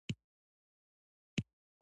ایا ستاسو ویښتان به ږمنځ وي؟